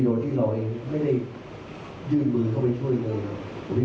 โดยที่เราเองไม่ได้ยื่นมือเข้าไปช่วยเลย